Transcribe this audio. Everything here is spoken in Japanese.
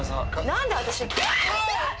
何で私